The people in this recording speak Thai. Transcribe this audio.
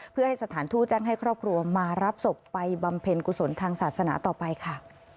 เพื่อให้สถานทูตแจ้งให้ครอบครัวมารับศพไปบำเพ็ญกุศลทางศาสนาต่อไปค่ะ